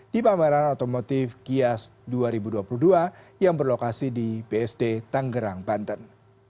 di pameran otomotif kias dua ribu dua puluh dua yang berlokasi di bsd tanggerang banten